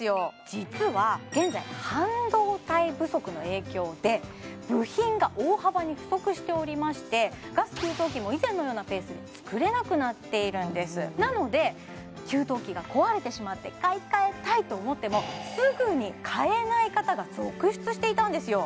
実は現在半導体不足の影響で部品が大幅に不足しておりましてガス給湯器も以前のようなペースで作れなくなっているんですなので給湯器が壊れてしまって買い替えたいと思ってもすぐに買えない方が続出していたんですよ